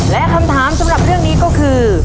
และคำถามสำหรับเรื่องนี้ก็คือ